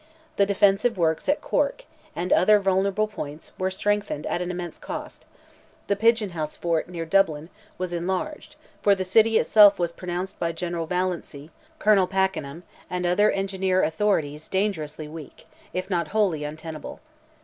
The defensive works at Cork, and other vulnerable points were strengthened at an immense cost; the "Pigeon House" fort, near Dublin, was enlarged, for the city itself was pronounced by General Vallancy, Colonel Packenham, and other engineer authorities dangerously weak, if not wholly untenable.